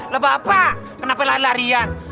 lah bapak kenapa lari larian